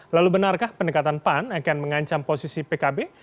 lalu benarkah pendekatan pan akan mengancam posisi pkb